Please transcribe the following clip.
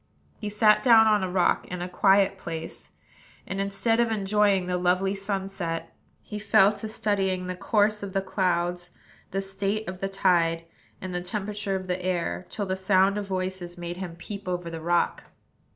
He sat down on a rock in a quiet place; and, instead of enjoying the lovely sunset, he fell to studying the course of the clouds, the state of the tide, and the temperature of the air, till the sound of voices made him peep over the rock.